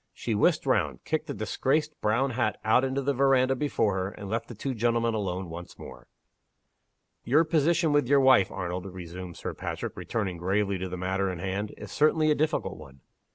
She whisked round, kicked the disgraced brown hat out into the veranda before her, and left the two gentlemen alone once more. "Your position with your wife, Arnold," resumed Sir Patrick, returning gravely to the matter in hand, "is certainly a difficult one."